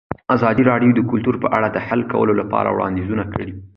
ازادي راډیو د کلتور په اړه د حل کولو لپاره وړاندیزونه کړي.